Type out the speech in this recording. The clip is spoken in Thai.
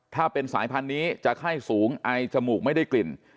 ถ้าเป็นสายพันธุ์นี้จะไข้สูงไอจมูกไม่ได้กลิ่น